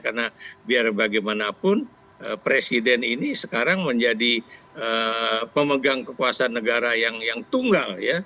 karena biar bagaimanapun presiden ini sekarang menjadi pemegang kekuasaan negara yang tunggal ya